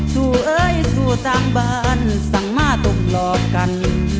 จู่เอยจู่ต่างบนสั่งมะตุกหลอดกัน